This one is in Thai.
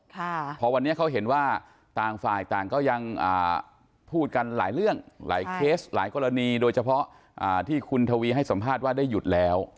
เพราะวันนี้เขาเห็นว่าต่างฝ่ายต่างก็ยังพูดกันหลายเรื่องหลายเคสหลายกรณีโดยเฉพาะที่คุณทวีให้สัมภาษณ์ว่าได้หยุดแล้ว